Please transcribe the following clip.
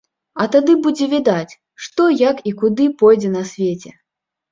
А тады будзе відаць, што як і куды пойдзе на свеце.